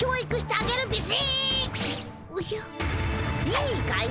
いいかい？